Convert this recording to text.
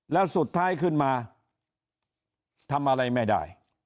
แล้วสุดท้ายขึ้นมาทำอะไรไม่ได้